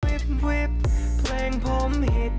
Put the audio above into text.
วิบวิบเพลงผม